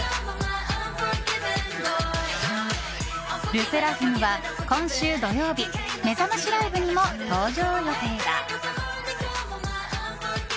ＬＥＳＳＥＲＡＦＩＭは今週土曜日めざましライブにも登場予定だ。